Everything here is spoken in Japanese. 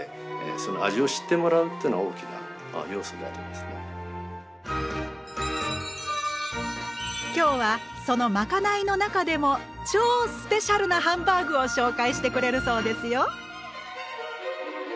実際に今日はそのまかないの中でも超スペシャルなハンバーグを紹介してくれるそうですよ。